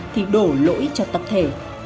thì đổ lỗi cho tập thể